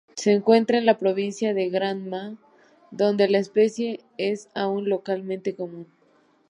Se encuentra en la provincia de Granma, donde la especie es aún localmente común.